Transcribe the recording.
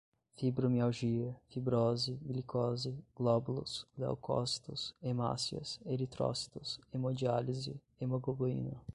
fibromialgia, fibrose, glicose, glóbulos, leucócitos, hemácias, eritrócitos, hemodiálise, hemoglobina